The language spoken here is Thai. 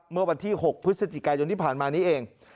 เมื่อวันที่๖พฤศจิกายนที่ผ่านมานี้เอง